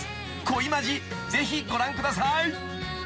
［『恋マジ』ぜひご覧ください］